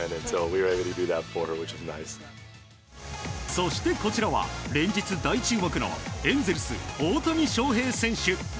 そして、こちらは連日大注目のエンゼルス、大谷翔平選手。